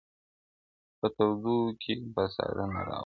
o په تودو کي به ساړه نه راولو٫